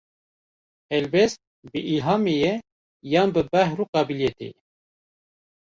Helbest, bi îlhamê ye yan bi behr û qabîliyetê ye?